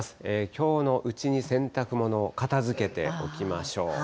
きょうのうちに洗濯物を片づけておきましょう。